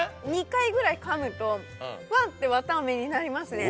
２回ぐらいかむとふわってわたあめになりますね。